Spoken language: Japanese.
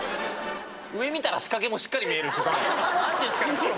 上見たら仕掛けもしっかり見えるし。